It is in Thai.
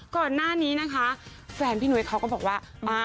ก่อนหน้านี้นะคะแฟนพี่นุ้ยเขาก็บอกว่า